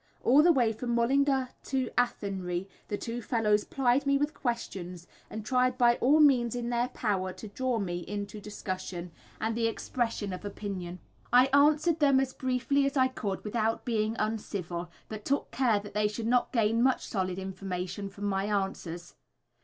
All the way from Mullingar to Athenry the two fellows plied me with questions, and tried by all means in their power to draw me into discussion, and the expression of opinion. I answered them as briefly as I could without being uncivil, but took care that they should not gain much solid information from my answers.